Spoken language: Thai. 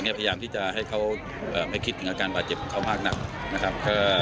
พยายามที่จะให้เขาไม่คิดถึงอาการบาดเจ็บเขามากนักนะครับ